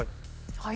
はい。